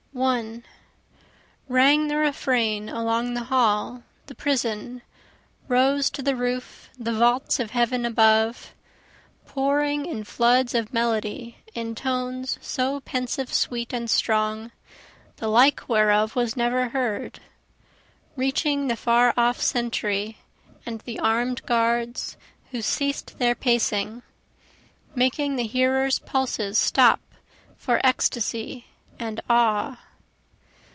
1 Rang the refrain along the hall, the prison, Rose to the roof, the vaults of heaven above, Pouring in floods of melody in tones so pensive sweet and strong the like whereof was never heard, Reaching the far off sentry and the armed guards, who ceas'd their pacing, Making the hearer's pulses stop for ecstasy and awe.